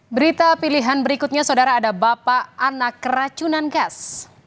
berita pilihan berikutnya saudara ada bapak anak keracunan gas